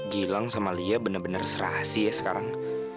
gilang sama lia bener bener serasi ya sekarang